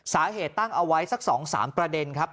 สาเหตุตั้งเอาไว้สักสองสามประเด็นครับ